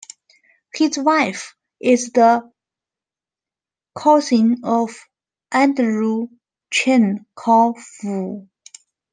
His wife is the cousin of Andrew Cheng Kar Foo.